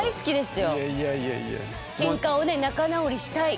「ケンカをね仲直りしたい」